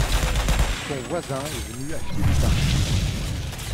Son voisin est venu acheter du pain.